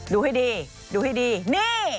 ดูให้ดีดูให้ดีนี่